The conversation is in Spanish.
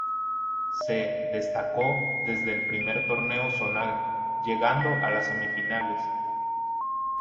Se destacó desde el primer torneo zonal, llegando a las semifinales.